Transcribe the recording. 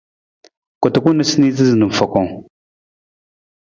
Kutukun niisutu na fakang.